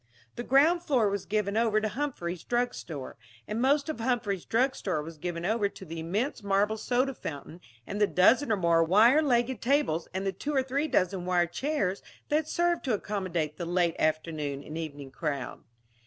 The ground floor was given over to Humphrey's drug store; and most of Humphrey's drug store was given over to the immense marble soda fountain and the dozen or more wire legged tables and the two or three dozen wire chairs that served to accommodate the late afternoon and evening crowd.